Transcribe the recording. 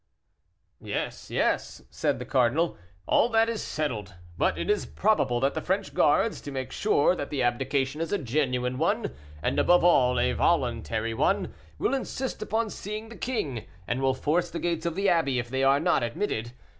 "Yes, yes," said the cardinal, "all that is settled; but it is probable that the French guards, to make sure that the abdication is a genuine one, and above all, a voluntary one, will insist upon seeing the king, and will force the gates of the abbey if they are not admitted.